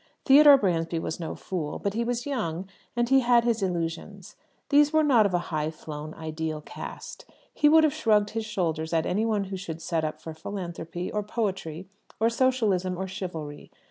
Theodore Bransby was no fool. But he was young, and he had his illusions. These were not of a high flown, ideal cast. He would have shrugged his shoulders at any one who should set up for philanthropy, or poetry, or socialism, or chivalry.